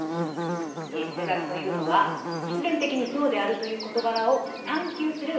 数学というのは「必然的にそうであるという事柄を探究する」